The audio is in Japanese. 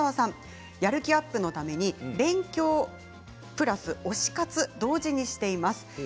やる気アップのために勉強プラス推し活、同時にしています。